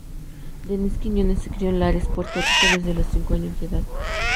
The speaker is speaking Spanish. Denise Quiñones se crió en Lares, Puerto Rico desde los cinco años de edad.